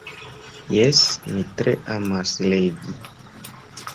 Jes, mi tre amas legi.